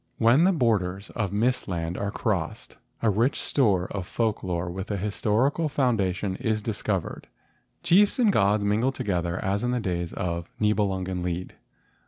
When the borders of mist land are crossed, a rich store of folk lore with a historical foun¬ dation is discovered. Chiefs and gods mingle together as in the days of the Nibelungen Lied.